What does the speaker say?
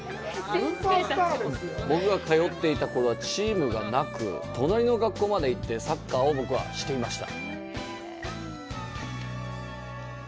僕が通っていたころはチームがなく隣の学校まで行ってサッカーを僕はしていました。